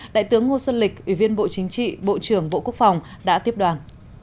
đại tướng ngô xuân lịch ủy viên bộ chính trị bộ trưởng bộ quốc phòng đã tiếp đoàn